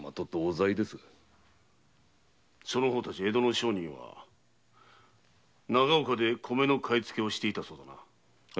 その方たち江戸の商人は長岡で米を買い付けていたそうだな？